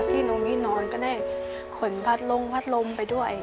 หนูมีนอนก็ได้ขนพัดลงพัดลมไปด้วย